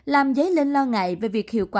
làm giấy lên lo ngại về việc hiệu quả